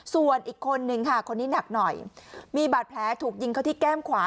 ส่วนอีกคนนึงค่ะคนนี้หนักหน่อยมีบาดแผลถูกยิงเขาที่แก้มขวา